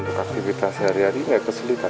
untuk aktivitas sehari hari tidak kesulitan